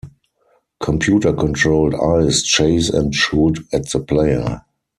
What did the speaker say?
Computer-controlled eyes chase and shoot at the player.